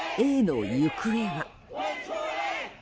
Ａの行方は？